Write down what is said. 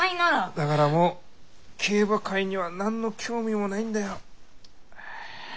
だからもう競馬界には何の興味もないんだよ。